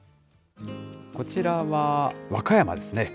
こちらは和歌山ですね。